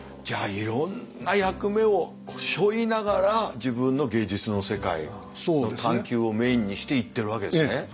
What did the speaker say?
じゃあいろんな役目をしょいながら自分の芸術の世界の探求をメインにして行ってるわけですね。